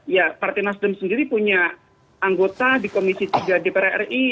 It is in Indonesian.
ya partai nasdem sendiri punya anggota di komisi tiga dpr ri